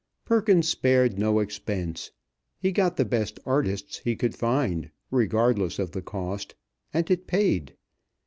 Perkins spared no expense. He got the best artists he could find, regardless of the cost; and it paid.